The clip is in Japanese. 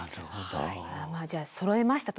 じゃあそろえましたと。